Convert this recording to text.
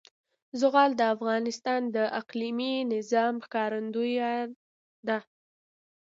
زغال د افغانستان د اقلیمي نظام ښکارندوی ده.